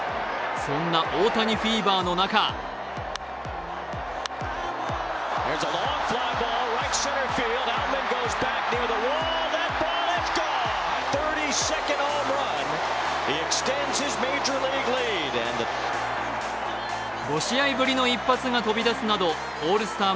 そんな大谷フィーバーの中５試合ぶりの一発が飛び出すなどオールスター